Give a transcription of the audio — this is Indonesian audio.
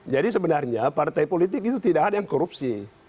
jadi sebenarnya partai politik itu tidak ada yang korupsi